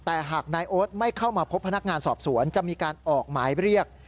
แต่หากนายโอ๊ตไม่เข้ามาพบพนักงานสอบสวนจะมีการออกหมายเรียก